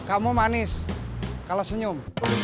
kamu manis kalau senyum